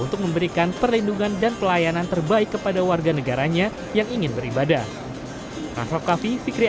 dan juga memberikan perlindungan dan pelayanan terbaik kepada warga negaranya yang ingin beribadah